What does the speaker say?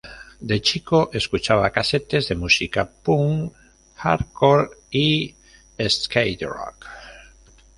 De chico, escuchaba casetes de música punk, hardcore y skate rock.